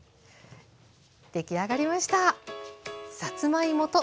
出来上がりました！